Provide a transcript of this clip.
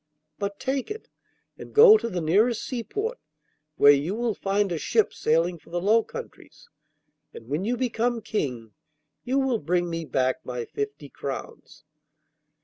But take it and go to the nearest seaport, where you will find a ship sailing for the Low Countries, and when you become King you will bring me back my fifty crowns.